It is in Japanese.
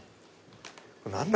何だ？